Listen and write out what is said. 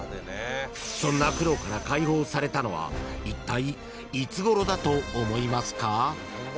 ［そんな苦労から解放されたのはいったいいつごろだと思いますか？］